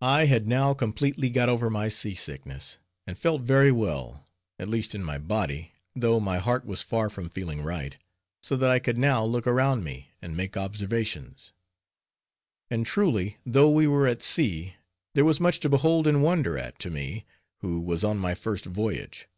I had now completely got over my sea sickness, and felt very well; at least in my body, though my heart was far from feeling right; so that I could now look around me, and make observations. And truly, though we were at sea, there was much to behold and wonder at; to me, who was on my first voyage.